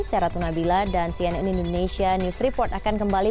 saya ratu nabila dan cnn indonesia news report akan kembali